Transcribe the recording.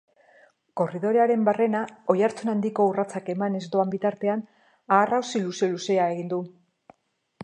Korridorean barrena oihartzun handiko urratsak emanez doan bitartean aharrausi luze-luzea egiten du.